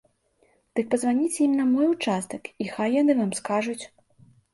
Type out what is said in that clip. Дык пазваніце ім на мой участак і хай яны вам скажуць.